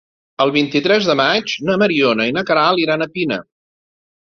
El vint-i-tres de maig na Mariona i na Queralt iran a Pina.